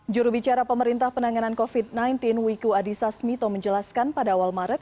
jurubicara pemerintah penanganan covid sembilan belas wiku adhisa smito menjelaskan pada awal maret